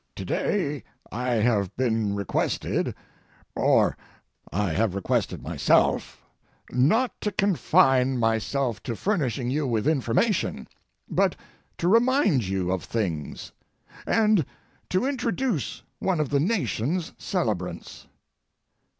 To day I have been requested, or I have requested myself, not to confine myself to furnishing you with information, but to remind you of things, and to introduce one of the nation's celebrants.